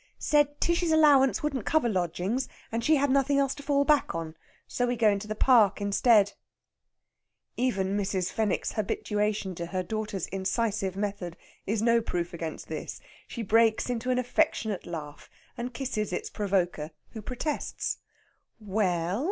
"Said Tishy's allowance wouldn't cover lodgings, and she had nothing else to fall back on. So we go into the Park instead." Even Mrs. Fenwick's habituation to her daughter's incisive method is no proof against this. She breaks into an affectionate laugh, and kisses its provoker, who protests. "We e ell!